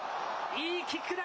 いいキックだ。